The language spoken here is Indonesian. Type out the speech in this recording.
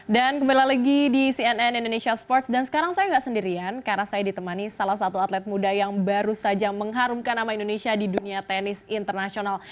dan kembali lagi di cnn indonesia sports dan sekarang saya nggak sendirian karena saya ditemani salah satu atlet muda yang baru saja mengharumkan nama indonesia di dunia tenis internasional